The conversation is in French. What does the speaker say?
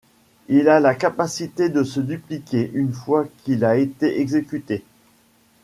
Il a la capacité de se dupliquer une fois qu'il a été exécuté.